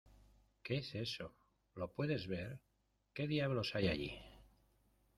¿ Qué es eso? ¿ lo puedes ver ?¿ qué diablos hay allí ?